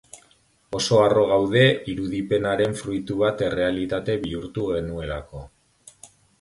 Oso harro gaude irudipenaren fruitu bat errealitate bihurtu genuelako.